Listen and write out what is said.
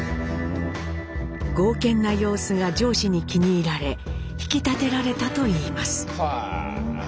剛健な様子が上司に気に入られ引き立てられたといいます。